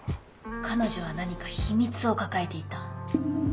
彼女は何か秘密を抱えていた。